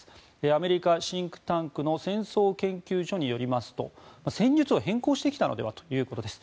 アメリカシンクタンクの戦争研究所によりますと戦術を変更してきたのではということです。